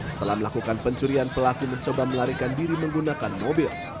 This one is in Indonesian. setelah melakukan pencurian pelaku mencoba melarikan diri menggunakan mobil